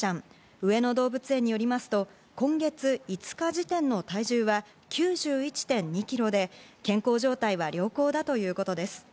上野動物園によりますと、今月５日時点の体重は９１．２ｋｇで健康状態は良好だということです。